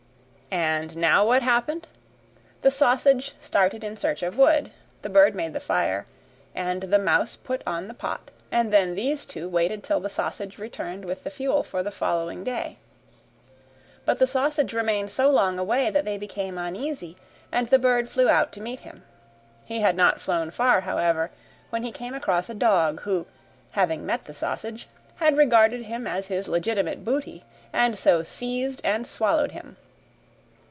And now what happened? The sausage started in search of wood, the bird made the fire, and the mouse put on the pot, and then these two waited till the sausage returned with the fuel for the following day. But the sausage remained so long away, that they became uneasy, and the bird flew out to meet him. He had not flown far, however, when he came across a dog who, having met the sausage, had regarded him as his legitimate booty, and so seized and swallowed him.